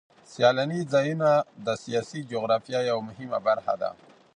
سیلاني ځایونه د سیاسي جغرافیه یوه مهمه برخه ده.